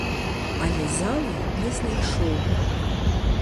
Але залы не знайшоў.